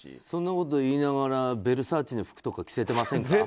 そんなこと言いながらヴェルサーチェの服とか着せてませんか？